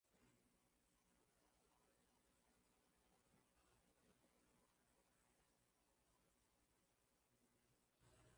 Alifunga kwa madai kwamba Wazanzibari walikuwa hawaguswi wala kuugua malaria